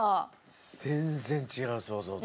全然違う想像と。